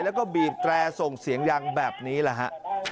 แล้วก็บีบแตรส่งเสียงดังแบบนี้แหละฮะ